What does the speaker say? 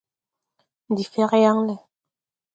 Ndi fɛr yaŋ lɛ.